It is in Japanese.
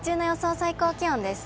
最高気温です。